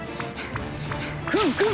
クンクン！